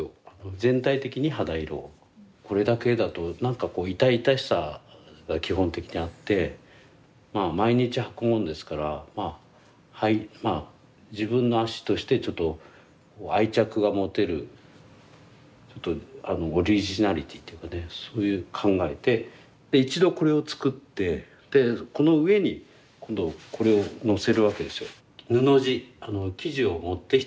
これだけだと何か痛々しさが基本的にあって毎日履くものですから自分の足として愛着が持てるオリジナリティーっていうかね考えて一度これを作ってこの上にこれをのせるわけですよ。